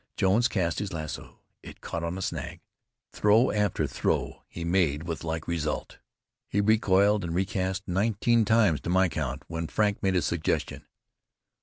Jones cast his lasso. It caught on a snag. Throw after throw he made with like result. He recoiled and recast nineteen times, to my count, when Frank made a suggestion.